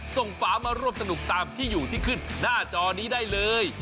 ฝามาร่วมสนุกตามที่อยู่ที่ขึ้นหน้าจอนี้ได้เลย